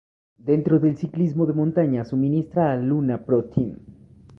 Dentro del ciclismo de montaña suministra al Luna Pro Team.